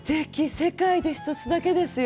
世界で一つだけですよ！